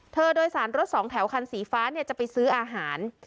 โดยสารรถสองแถวคันสีฟ้าจะไปซื้ออาหาร